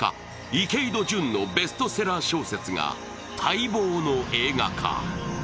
池井戸潤のベストセラー小説が待望の映画化。